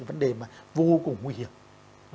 vấn đề vô cùng nguy hiểm